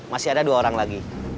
masih ada dua orang lagi